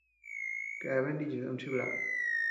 Keaben nichis ama chiblaʼa.